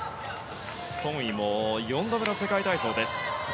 ソン・イも４度目の世界体操です。